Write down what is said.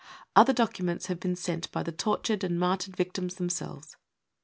Other documents have been sent by the tortured and martyred victims themselves.